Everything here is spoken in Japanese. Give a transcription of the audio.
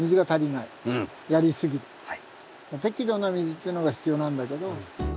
適度な水っていうのが必要なんだけど。